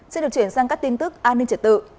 sẽ được chuyển sang các tin tức an ninh trở tự